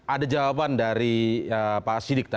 ada jawaban dari pak sidik tadi